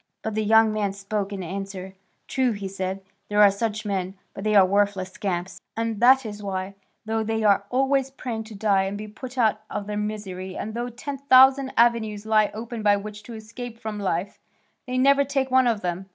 But the young man spoke in answer: "True," he said, "there are such men, but they are worthless scamps, and that is why, though they are always praying to die and be put out of their misery and though ten thousand avenues lie open by which to escape from life, they never take one of them.